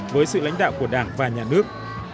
với sự lãnh đạo của đảng và nhà nước